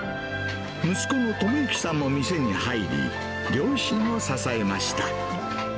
息子の智之さんも店に入り、両親を支えました。